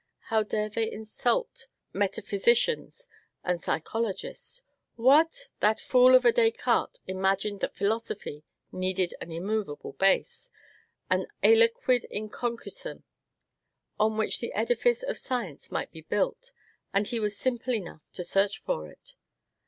How dare they insult metaphysicians and psychologists? What! that fool of a Descartes imagined that philosophy needed an immovable base an aliquid inconcussum on which the edifice of science might be built, and he was simple enough to search for it!